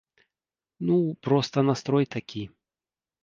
Ну, проста настрой такі.